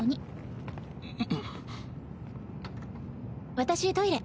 私トイレ。